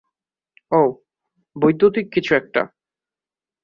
অও, বৈদ্যুতিক কিছু একটা।